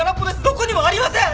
どこにもありません！